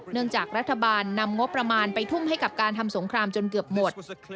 จากรัฐบาลนำงบประมาณไปทุ่มให้กับการทำสงครามจนเกือบหมด